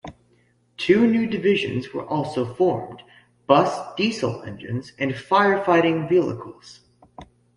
Two new divisions were also formed: bus diesel engines and firefighting vehicles.